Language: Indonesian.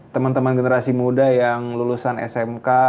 teman teman generasi muda yang lulusan smk